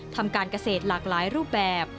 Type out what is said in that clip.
ทำการเกษตรหลากหลายรูปแบบ